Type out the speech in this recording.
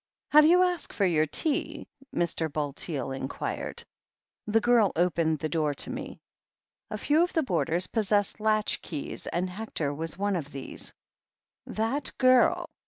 "Have you asked for your tea?" Mr. Bulteel in quired. "The girl opened the door to me." Few of the boarders possessed latch keys, and Hec tor was not one of these. "That girl!"